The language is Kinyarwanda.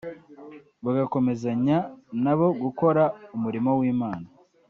bagakomezanya na bo gukora umurimo w’Imana